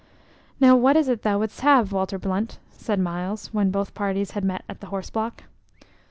"Now what is it thou wouldst have, Walter Blunt?" said Myles, when both parties had met at the horse block.